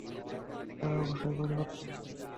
তারা অবশ্যই পরিবর্তন হবে।